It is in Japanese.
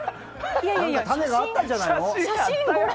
何かタネがあったんじゃないの？